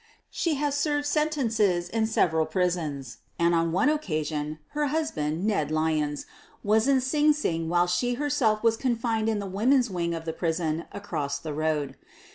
She has served sentences in several prisons, and, on one occasion, her husband, Ned Lyons, was in Sing Sing while she herself was con fined in the women's wing of the prison across the road.